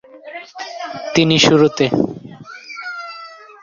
তিনি শুরুতে।